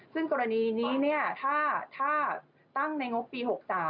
ซึ่งกรณีนี้ถ้าตั้งในงบปี๖๓